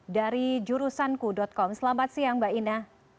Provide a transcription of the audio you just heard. dari jurusanku com selamat siang mbak ina